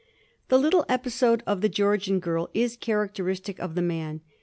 This little episode of the Georgian girl is characteristic of the man.